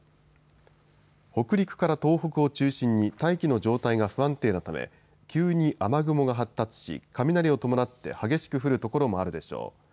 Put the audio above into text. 北陸から東北を中心に大気の状態が不安定なため急に雨雲が発達し雷を伴って激しく降る所もあるでしょう。